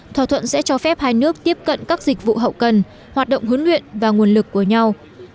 thỏa thuận sẽ cho phép hai nước tiếp cận các dịch vụ hậu cần hoạt động huấn luyện và nguồn lực của nhau